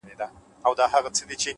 پوهه له لټون سره پراخیږي’